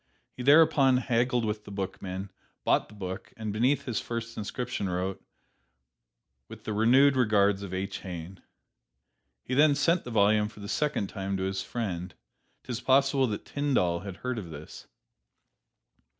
He thereupon haggled with the bookman, bought the book and beneath his first inscription wrote, "With the renewed regards of H. Heine." He then sent the volume for the second time to his friend. 'T is possible that Tyndall had heard of this.